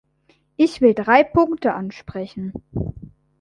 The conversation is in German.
Ich will drei Punkte ansprechen.